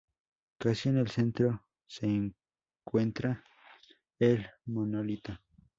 Casi en el centro se encuentra el Monolito.